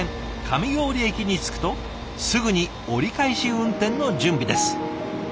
上郡駅に着くとすぐに折り返し運転の準備です。